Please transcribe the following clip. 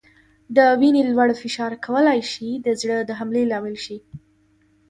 د وینې لوړ فشار کولای شي د زړه د حملې لامل شي.